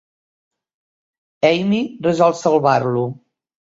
Amy resol salvar-lo.